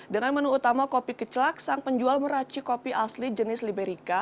dengan menu utama kopi kecelak sang penjual meraci kopi asli jenis liberica